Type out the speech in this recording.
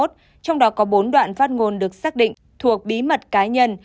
trong đó có bốn đoạn phát ngôn được xác định thuộc bí mật cá nhân